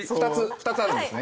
２つあるんですね